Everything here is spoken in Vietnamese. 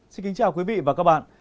xin kính chào quý vị và các bạn